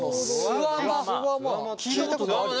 聞いたことある？